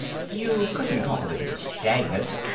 You couldn't call them stagnant.